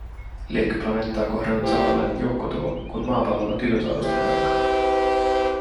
Liekö planeettaa kohdannut samanlainen joukkotuho, kun maapallolla dinosaurusten aikaan.